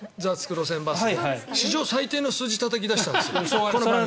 路線バスの旅」で史上最低の視聴率をたたき出したんです。